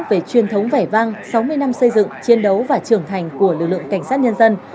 về truyền thống vẻ vang sáu mươi năm xây dựng chiến đấu và trưởng thành của lực lượng cảnh sát nhân dân